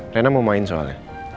rena mau main soalnya